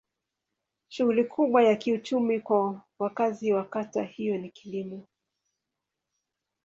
Shughuli kubwa ya kiuchumi kwa wakazi wa kata hiyo ni kilimo.